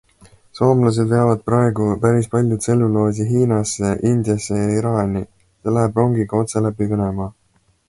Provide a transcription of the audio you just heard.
Soomlased veavad praegu päris palju tselluloosi Hiinasse, Indiasse ja Iraani, see läheb rongiga otse läbi Venemaa.